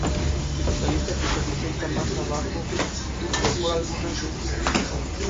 El color de las rocas da nombre a la sierra.